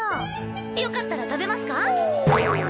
よかったら食べますか？